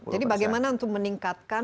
jadi bagaimana untuk meningkatkan